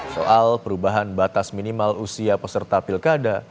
soal perubahan batas minimal usia peserta pilkada